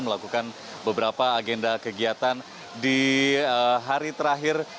melakukan beberapa agenda kegiatan di hari terakhir